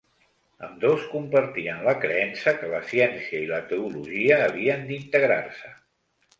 Ambdós compartien la creença que la ciència i la teologia havien d'integrar-se.